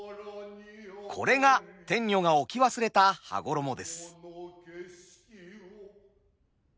これが天女が置き忘れた羽衣です。